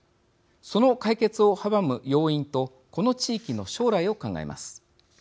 その解決を阻む要因とこの地域の将来を考えます。